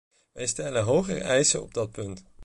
Wij stellen hogere eisen op dat punt.